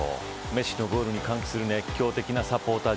メッシュのゴールに歓喜する熱狂的なサポーター。